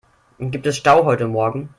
Gibt es Stau heute morgen?